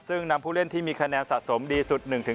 ซึ่งนำผู้เล่นที่มีคะแนนสะสมดีสุด๑๒